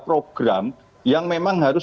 program yang memang harus